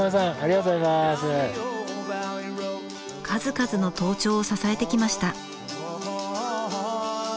数々の登頂を支えてきました。